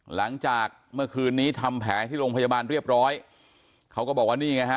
หลังจากเมื่อคืนนี้ทำแผลที่โรงพยาบาลเรียบร้อยเขาก็บอกว่านี่ไงฮะ